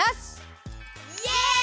イエイ！